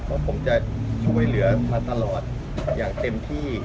เพราะผมจะช่วยเหลือมาตลอดอย่างเต็มที่